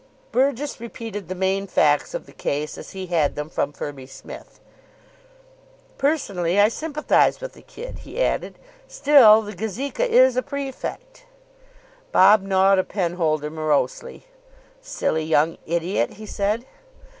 Burgess repeated the main facts of the case as he had them from Firby Smith. "Personally, I sympathise with the kid," he added, "Still, the Gazeka is a prefect " Bob gnawed a pen holder morosely. "Silly young idiot," he said.